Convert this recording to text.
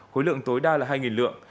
khối lượng tối đa là hai lượng